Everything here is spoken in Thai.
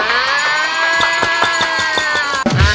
อา